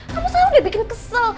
kamu selalu dibikin kesel